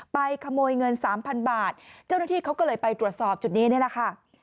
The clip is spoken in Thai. ขโมยเงินสามพันบาทเจ้าหน้าที่เขาก็เลยไปตรวจสอบจุดนี้นี่แหละค่ะ